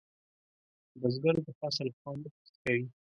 بزګر د فصل خوند حس کوي